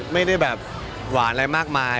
ไม่ได้แบบหวานอะไรมากมาย